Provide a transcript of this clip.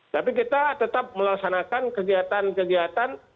tapi kita tetap melaksanakan kegiatan kegiatan